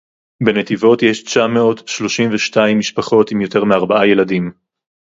בנתיבות יש תשע מאות שלושים ושתיים משפחות עם יותר מארבעה ילדים